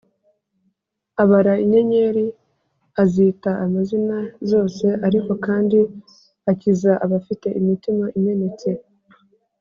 abara inyenyeri, azita amazina zose;” ariko kandi “akiza abafite imitima imenetse